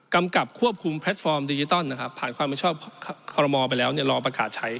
กำกับควบคุมแพลตฟอร์มดิจิทัลผ่านความไม่ชอบพรหมอไปแล้วรอประกาศใช้